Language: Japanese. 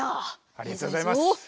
ありがとうございます。